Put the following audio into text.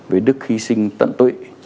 về đức hy sinh tận tội